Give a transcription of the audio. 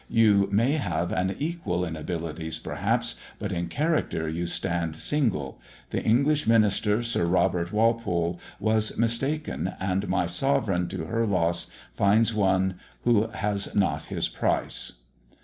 You may have an equal in abilities, perhaps, but in character you stand single. The English minister, Sir Robert Walpole, was mistaken; and my sovereign, to her loss, finds one who has not his price."